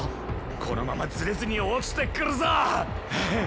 このままずれずに落ちてくるぞッ！